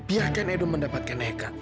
biarkan edo mendapatkan eka